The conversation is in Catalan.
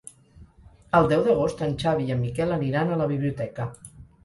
El deu d'agost en Xavi i en Miquel aniran a la biblioteca.